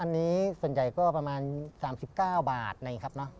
อันนี้ส่วนใหญ่ก็ประมาณ๓๙บาทนะครับ